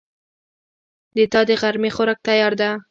د تا دغرمې خوراک تیار ده